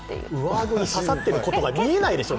上顎に刺さってることが見えないでしょ！